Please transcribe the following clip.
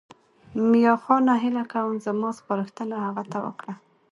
میاخانه هیله کوم زما سپارښتنه هغه ته وکړه.